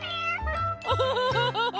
フフフフフ。